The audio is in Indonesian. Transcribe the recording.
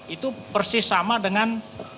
itu persis sama dengan